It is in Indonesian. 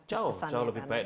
jauh jauh lebih baik